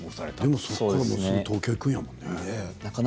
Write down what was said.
でもこのあと東京行くんやもんね。